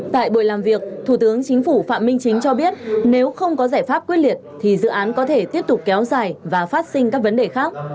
tại buổi làm việc thủ tướng chính phủ phạm minh chính cho biết nếu không có giải pháp quyết liệt thì dự án có thể tiếp tục kéo dài và phát sinh các vấn đề khác